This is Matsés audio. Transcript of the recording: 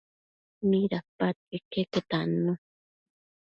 Midapadquio iqueque tannu